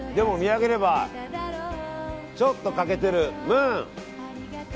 でも見上げればちょっと欠けてるムーン。